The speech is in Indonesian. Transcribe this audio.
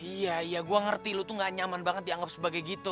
iya iya gue ngerti lu tuh gak nyaman banget dianggap sebagai gitu